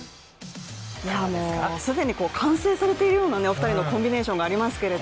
もう既に完成されてるようなお二人のコンビネーションがありますけど。